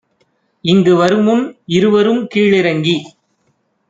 இங்கு வருமுன் இருவரும் கீழிறங்கி